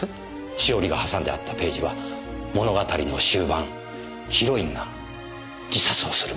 しおりが挟んであったページは物語の終盤ヒロインが自殺をする場面です。